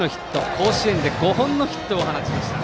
甲子園で５本のヒットを放ちました。